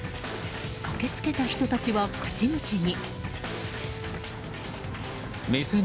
駆け付けた人たちは、口々に。